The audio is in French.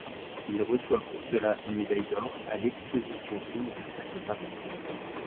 Il reçoit pour cela une médaille d'or à l'exposition universelle de Paris.